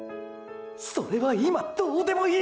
それは今どうでもいい！！